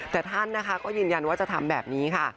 แต่ท่านนะคะก็ยืนยันว่าจะทำแบบนี้ค่ะ